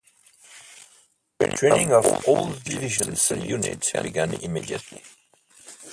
Training of all of the division's units began immediately.